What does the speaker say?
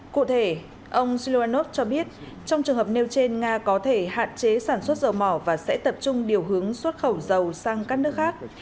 cụ thể ông siloanov cho biết trong trường hợp nêu trên nga có thể hạn chế sản xuất dầu mỏ và sẽ tập trung điều hướng xuất khẩu dầu sang các nước khác